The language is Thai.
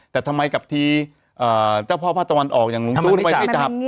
แต่ทำไมกลับทีเจ้าพ่อภาคตะวันออกอย่างงงตู้ทำไมไม่จับ